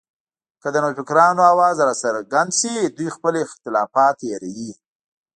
که د نوفکرانو اواز راڅرګند شي، دوی خپل اختلافات هېروي